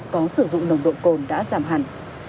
có sử dụng nồng độ cồn đã giảm hẳn